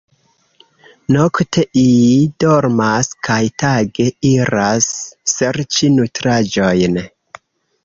Nokte iii dormas kaj tage iras serĉi nutraĵojn.